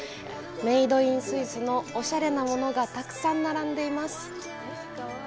メード・イン・スイスのおしゃれなものがたくさん並んでいます。